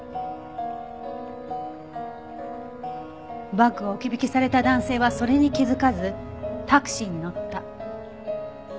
バッグを置き引きされた男性はそれに気づかずタクシーに乗った。